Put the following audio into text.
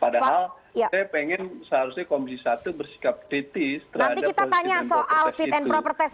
padahal saya ingin seharusnya komisi satu bersikap kritis terhadap posisi fit and proper test itu